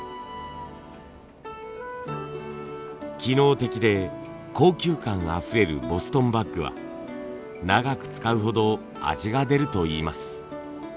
機能的で高級感あふれるボストンバッグは長く使うほど味が出るといいます。